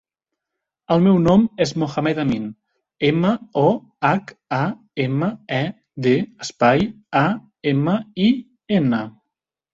El meu nom és Mohamed amin: ema, o, hac, a, ema, e, de, espai, a, ema, i, ena.